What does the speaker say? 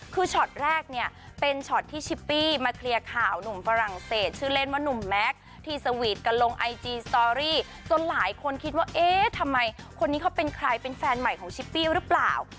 คือช็อตแรกเนี่ยเป็นช็อตที่ชิปปี้มาเคลียร์ข่าวหนุ่มฝรั่งเศสชื่อเล่นว่านุ่มแม็กซ์ที่สวีทกันลงไอจีสตอรี่จนหลายคนคิดว่าเอ๊ะทำไมคนนี้เขาเป็นใครเป็นแฟนใหม่ของชิปปี้หรือเปล่า